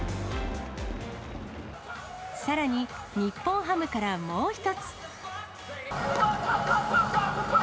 さらに、日本ハムからもう１つ。